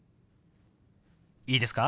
いいですか？